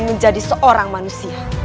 menjadi seorang manusia